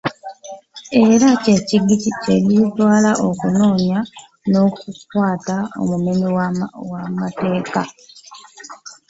Era kyekigitwaala okunoonya n’okukwaata oy’omumenyi w’amateeka.